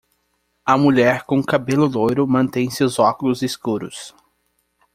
A mulher com cabelo loiro mantém seus óculos escuros.